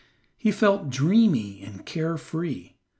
He felt dreamy and care free.